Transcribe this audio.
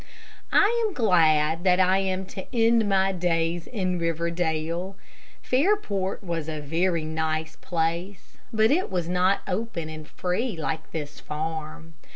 I am glad that I am to end my days in Riverdale. Fairport was a very nice place, but it was not open and free like this farm.